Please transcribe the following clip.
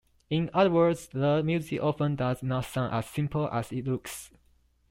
In other words, the music often does not sound as simple as it looks.